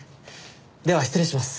では失礼します。